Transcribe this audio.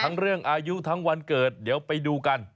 ทั้งเรื่องอายุทั้งวันเกิดเดี๋ยวไปดูกัน